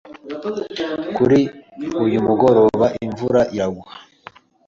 Kuri uyu mugoroba, imvura izagwa.